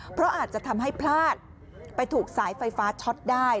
เพราะอาจจะทำให้พลาดไปถูกสายไฟฟ้าช็อตได้